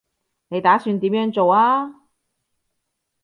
你打算點樣做啊